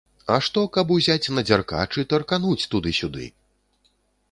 А што, каб узяць на дзяркач і таркануць туды-сюды.